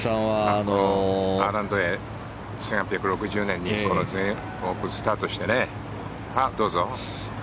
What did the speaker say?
Ｒ＆Ａ、１８６０年にこの全英オープンスタートしてね。